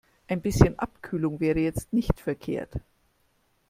Ein bisschen Abkühlung wäre jetzt nicht verkehrt.